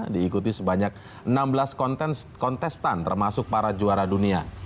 diikuti sebanyak enam belas kontestan termasuk para juara dunia